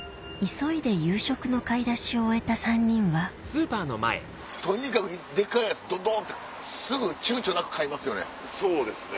急いで夕食の買い出しを終えた３人はとにかくでかいやつドドン！ってすぐちゅうちょなく買いますね。